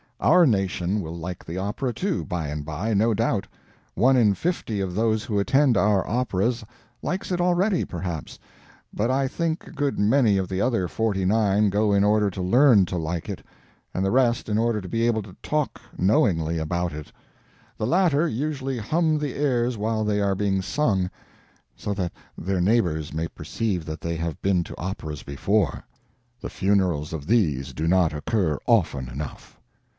Our nation will like the opera, too, by and by, no doubt. One in fifty of those who attend our operas likes it already, perhaps, but I think a good many of the other forty nine go in order to learn to like it, and the rest in order to be able to talk knowingly about it. The latter usually hum the airs while they are being sung, so that their neighbors may perceive that they have been to operas before. The funerals of these do not occur often enough.